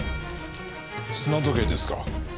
砂時計ですか。